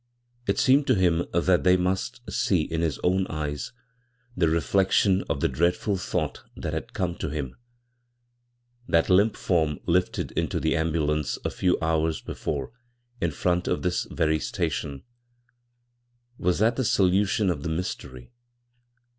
It seemed to him that they must see in his own eyes the reflection of the dreadful thought that had come to him : that limp form lifted into the ambulance a few hours before in front of this very station— was that the solution of the mystery?